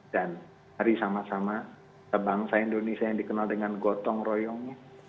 dan hari sama sama sebangsa indonesia yang dikenal dengan gotong royongnya